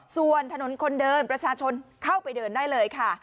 ส่วนถนนคนเดินประชาชนเข้าไปเดินได้เลยค่ะ